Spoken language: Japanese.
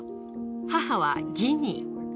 母はジニー。